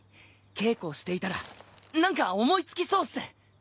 稽古していたらなんか思いつきそうっす。